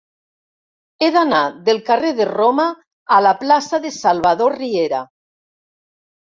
He d'anar del carrer de Roma a la plaça de Salvador Riera.